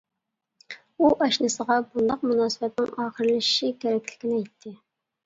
ئۇ ئاشنىسىغا بۇنداق مۇناسىۋەتنىڭ ئاخىرلىشىشى كېرەكلىكىنى ئېيتتى.